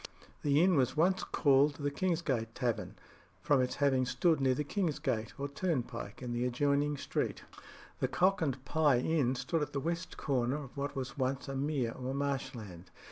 The inn was once called the Kingsgate Tavern, from its having stood near the king's gate or turnpike in the adjoining street. The Cock and Pye Inn stood at the west corner of what was once a mere or marshland.